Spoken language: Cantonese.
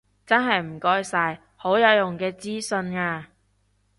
真係唔該晒，好有用嘅資訊啊